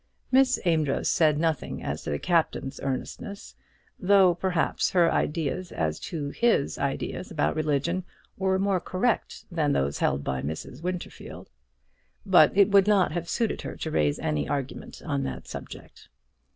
Miss Amedroz said nothing as to the Captain's earnestness, though, perhaps, her ideas as to his ideas about religion were more correct than those held by Mrs. Winterfield. But it would not have suited her to raise any argument on that subject.